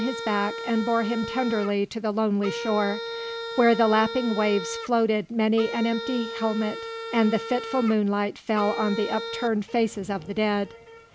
his back and bore him tenderly to the lonely shore, where the lapping waves floated many an empty helmet and the fitful moonlight fell on the upturned faces of the dead.